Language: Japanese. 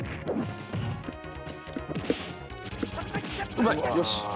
うまい！よしっ！